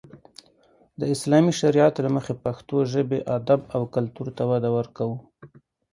د اسلامي شريعت له مخې پښتو ژبې، ادب او کلتور ته وده ورکو.